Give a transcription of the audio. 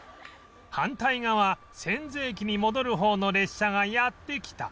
反対側千頭駅に戻る方の列車がやって来た